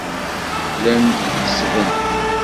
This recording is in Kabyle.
Llan ḥessben.